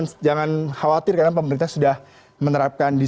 tapi jangan khawatir karena pemerintah sudah menerapkannya